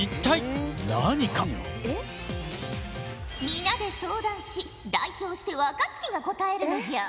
皆で相談し代表して若槻が答えるのじゃ。